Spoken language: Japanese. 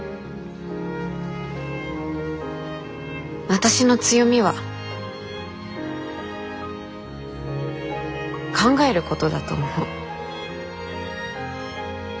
私の強みは考えることだと思う。